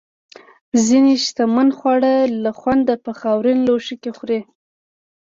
ځینې شتمن خواړه له خونده په خاورین لوښو کې خوري.